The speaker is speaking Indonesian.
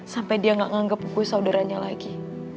sampai dia gak nganggap gue saudaranya lagi